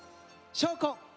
「証拠」。